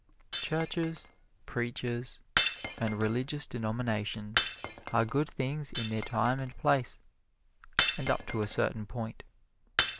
Churches, preachers and religious denominations are good things in their time and place, and up to a certain point.